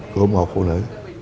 của một phụ nữ